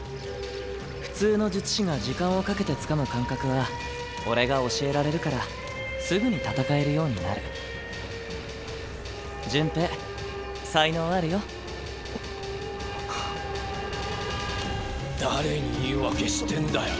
普通の術師が時間をかけてつかむ感覚は俺が教えられるからすぐに戦えるようになる順平才能あるよあっ誰に言い訳してんだよ。